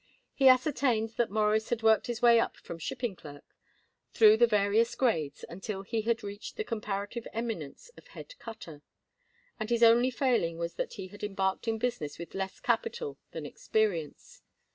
He ascertained that Morris had worked his way up from shipping clerk, through the various grades, until he had reached the comparative eminence of head cutter, and his only failing was that he had embarked in business with less capital than experience.